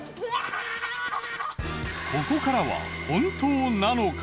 ここからは本当なのか！？